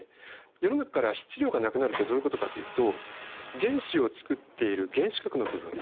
世の中から質量がなくなるってどういうことかというと原子を作っている原子核の部分。